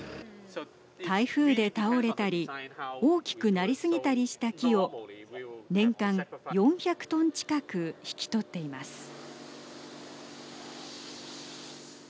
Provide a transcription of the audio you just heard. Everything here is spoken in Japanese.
台風で倒れたり大きくなりすぎたりした木を年間４００トン近く引き取っています。